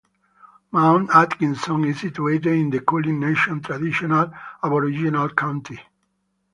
Mount Atkinson is situated in the Kulin nation traditional Aboriginal country.